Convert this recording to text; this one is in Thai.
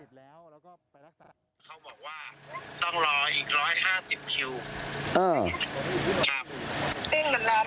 เขาบอกว่าต้องรออีก๑๕๐คิวครับ